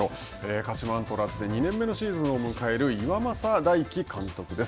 鹿島アントラーズで２年目のシーズンを迎える岩政大樹監督です。